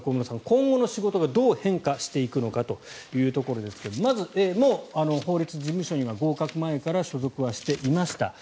今後の仕事がどう変化していくのかというところですがまず、もう法律事務所には合格前から所属はしていました。